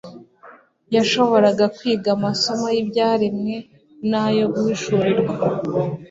yashoboraga kwiga amasomo y'ibyaremwe n'ayo guhishurirwa,